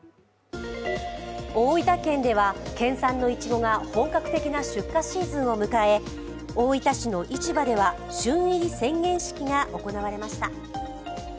大分県では県産のいちごが本格的な出荷シーズンを迎え大分市の市場では、旬入り宣言式が行われました。